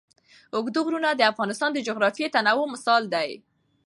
اوږده غرونه د افغانستان د جغرافیوي تنوع مثال دی.